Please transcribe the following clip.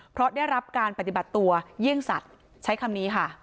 เพราะได้รับการปฏิบัติตัวเยี่ยงสัตว์ใช้คำนี้ค่ะ